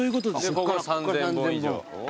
ここが３，０００本以上。